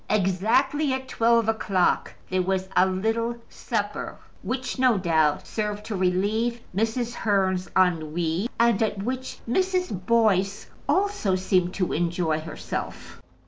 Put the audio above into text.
Exactly at twelve o'clock there was a little supper, which, no doubt, served to relieve Mrs. Hearn's ennui, and at which Mrs. Boyce also seemed to enjoy herself.